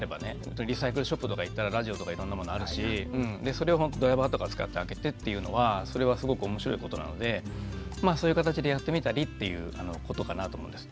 リサイクルショップとか行ったらラジオとかいろんなものあるしそれをドライバーとかを使って開けてっていうのはそれはすごく面白いことなのでまあそういう形でやってみたりっていうことかなと思うんです。